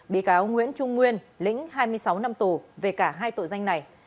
bị cáo nguyễn trung nguyên lĩnh hai mươi sáu năm tù về cả hai tội danh này